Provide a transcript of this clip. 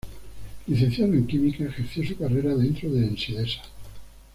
Licenciado en Química, ejerció su carrera dentro de Ensidesa.